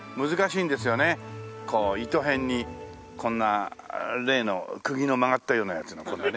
こう糸へんにこんな「礼」の釘の曲がったようなやつのこんなね。